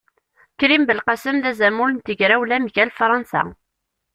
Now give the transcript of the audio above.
Krim Belqasem d azamul n tegrawla mgal Fransa.